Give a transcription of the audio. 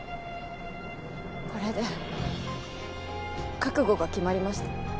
これで覚悟が決まりました。